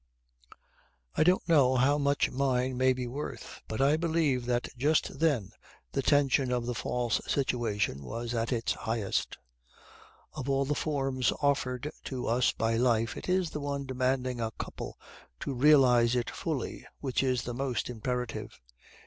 I don't know how much mine may be worth; but I believe that just then the tension of the false situation was at its highest. Of all the forms offered to us by life it is the one demanding a couple to realize it fully, which is the most imperative.